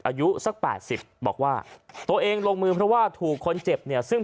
อายุสักแปดสิบบอกว่าตัวเองลงมือเพราะว่าถูกคนเจ็บเนี่ยซึ่ง